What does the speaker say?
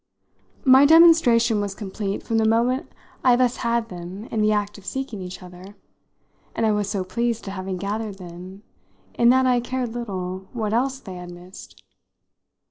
My demonstration was complete from the moment I thus had them in the act of seeking each other, and I was so pleased at having gathered them in that I cared little what else they had missed.